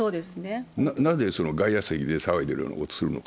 なぜ外野席で騒いでいるようなことをするのか。